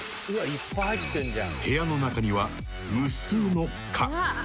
［部屋の中には無数の蚊］